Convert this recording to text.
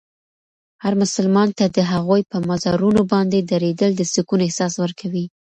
هر مسلمان ته د هغوی په مزارونو باندې درېدل د سکون احساس ورکوي.